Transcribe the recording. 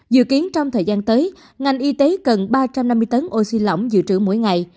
dự kiến trong thời gian tới ngành y tế cần ba trăm năm mươi tấn oxy lỏng dự trữ mỗi ngày